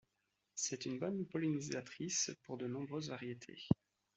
C'est une bonne pollinisatrice pour de nombreuses variétés.